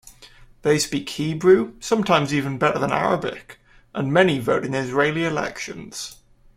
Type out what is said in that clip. They speak Hebrew, sometimes even better than Arabic, and many vote in Israeli elections.